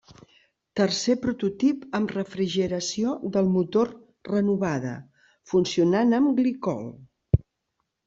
Tercer prototip amb refrigeració del motor renovada, funcionant amb glicol.